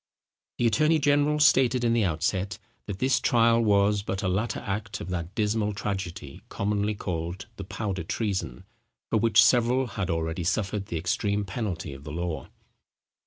The attorney general stated in the outset, that this trial was but a latter act of that dismal tragedy, commonly called the Powder Treason, for which several had already suffered the extreme penalty of the law.